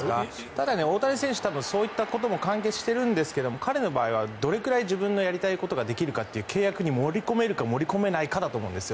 ただ、大谷選手そういったことも完結してるんですが彼の場合はどれくらい自分のやりたいことができるかという契約に盛り込めるか盛り込めないかだと思うんです。